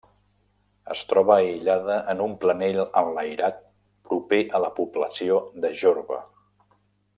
Es troba aïllada en un planell enlairat proper a la població de Jorba.